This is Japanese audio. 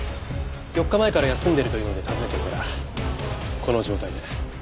４日前から休んでいるというので訪ねてみたらこの状態で。